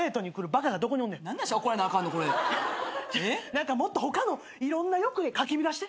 何かもっと他のいろんな欲でかき乱して。